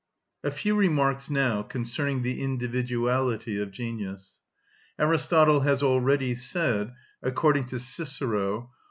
A few remarks now concerning the individuality of genius. Aristotle has already said, according to Cicero (_Tusc.